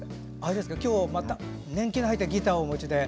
今日はまた年季の入ったギターをお持ちで。